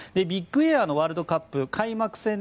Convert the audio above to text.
ビッグエアのワールドカップ